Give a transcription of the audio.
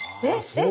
えっ！